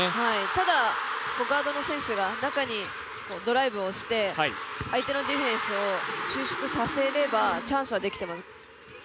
ただ、ガードの選手が中にドライブをして相手のディフェンスを収縮させればチャンスはできます。